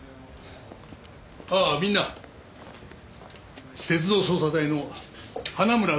ああみんな鉄道捜査隊の花村乃里子主任だ。